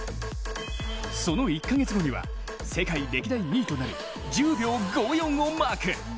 その１カ月後には、世界歴代２位となる１０秒５４をマーク。